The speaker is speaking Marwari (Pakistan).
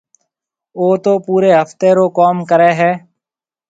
او تو پوريَ هفتيَ رو ڪوم ڪريَ هيَ۔